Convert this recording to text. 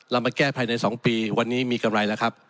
เรามาแก้ภายใน๒ปีวันนี้มีกำไรแล้วครับ